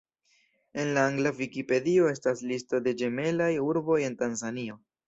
En la angla Vikipedio estas listo de ĝemelaj urboj en Tanzanio.